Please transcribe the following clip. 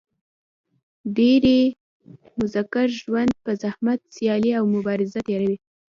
ډېری مذکر ژوند په زحمت سیالي او مبازره تېروي.